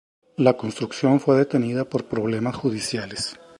La construcción fue detenida por problemas judiciales.